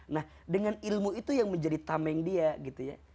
nah dengan ilmu itu yang menjadi tameng dia gitu ya